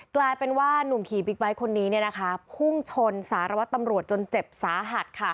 กลายเป็นว่านุ่มขี่บิ๊กไบท์คนนี้พุ่งชนสารวัตรตำรวจจนเจ็บสาหัส